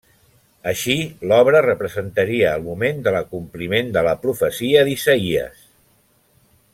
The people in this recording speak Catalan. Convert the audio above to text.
Així l'obra representaria el moment de l'acompliment de la profecia d'Isaïes.